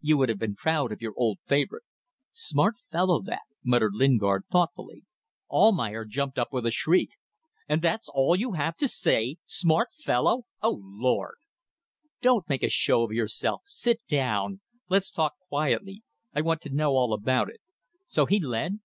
You would have been proud of your old favourite." "Smart fellow that," muttered Lingard, thoughtfully. Almayer jumped up with a shriek. "And that's all you have to say! Smart fellow! O Lord!" "Don't make a show of yourself. Sit down. Let's talk quietly. I want to know all about it. So he led?"